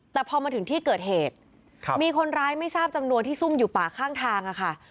แต่พอมาถึงที่เกิดเหตุมีคนร้ายไม่ทราบจำนวนที่ซุ่มอยู่ป่าข้างทางค่ะ